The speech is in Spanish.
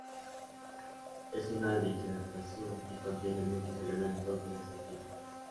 Es una disertación y contiene muchos elementos de sátira.